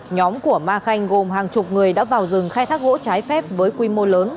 nhóm của ma khanh gồm hàng chục người đã vào rừng khai thác gỗ trái phép với quy mô lớn